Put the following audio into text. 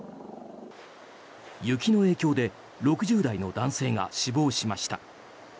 雪の影響で６０代の男性が死亡しました。